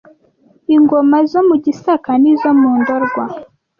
ingoma zo mu Gisaka n’izo mu Ndorwa